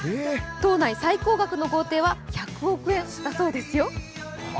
島内最高額の豪邸は１００億円だそうですよ。